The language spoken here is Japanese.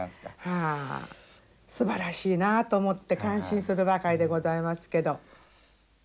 はあすばらしいなと思って感心するばかりでございますけど。